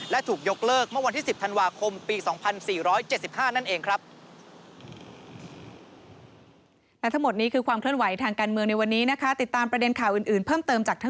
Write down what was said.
และถูกยกเลิกเมื่อวันที่๑๐ธันวาคมปี๒๔๗๕นั่นเองครับ